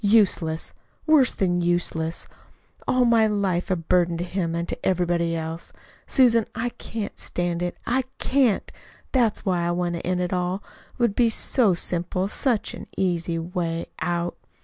Useless, worse than useless all my life a burden to him and to everybody else. Susan, I can't stand it. I CAN'T. That's why I want to end it all. It would be so simple such an easy way out."